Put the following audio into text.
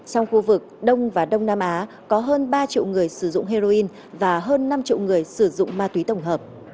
trong khu vực đông và đông nam á có hơn ba triệu người sử dụng heroin và hơn năm triệu người sử dụng ma túy tổng hợp